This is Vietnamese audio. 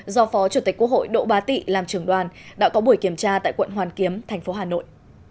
do phó chủ tịch quốc hội đỗ bá tị làm trưởng đoàn đã có buổi kiểm tra tại quận hoàn kiếm thành phố hà nội